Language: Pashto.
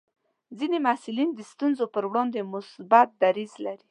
ځینې محصلین د ستونزو پر وړاندې مثبت دریځ لري.